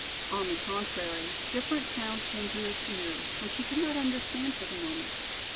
On the contrary, different sounds came to his ear, which he could not understand for the moment.